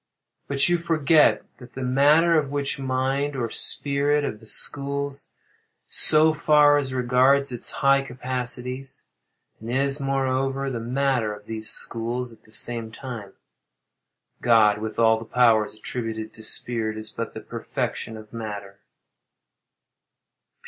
But you forget that the matter of which I speak is, in all respects, the very "mind" or "spirit" of the schools, so far as regards its high capacities, and is, moreover, the "matter" of these schools at the same time. God, with all the powers attributed to spirit, is but the perfection of matter.